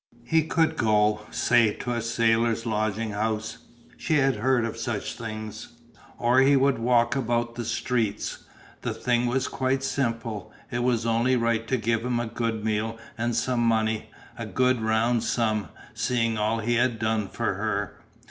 He could go, say, to a sailors' lodging house; she had heard of such things. Or, he would walk about the streets; the thing was quite simple. It was only right to give him a good meal and some money, a good round sum, seeing all he had done for her.